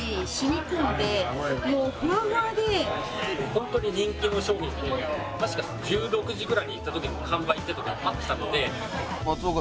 本当に人気の商品で確か１６時ぐらいに行った時に完売っていう事があったので。